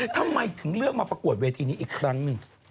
ทำไมถึงเลือกมาประกวดเวทีนี้อีกครั้งหนึ่ง